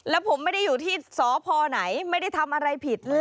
แล้วผมไม่ได้อยู่ที่สพไหนไม่ได้ทำอะไรผิด